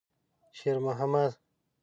شېرمحمد.